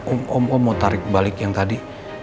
om om mau tarik balik yang tadi